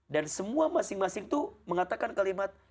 dan semua masing masing itu mengatakan kalimat